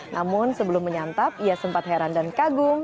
namun sebelum menyantap ia sempat heran dan kagum